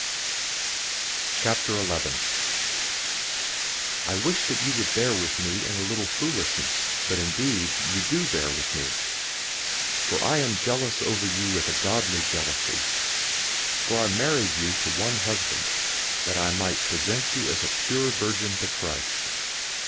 011:001 I wish that you would bear with me in a little foolishness, but indeed you do bear with me. 011:002 For I am jealous over you with a godly jealousy. For I married you to one husband, that I might present you as a pure virgin to Christ.